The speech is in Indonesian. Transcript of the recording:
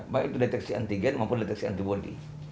baik itu deteksi antigen maupun deteksi antibody